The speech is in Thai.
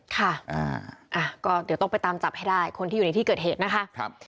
ค่ะก็เดี๋ยวต้องไปตามจับให้ได้คนที่อยู่ในที่เกิดเหตุนะคะ